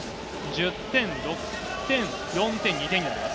１０点、６点、４点、２点になります。